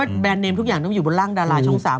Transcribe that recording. แบรนดเนมทุกอย่างต้องอยู่บนร่างดาราช่อง๓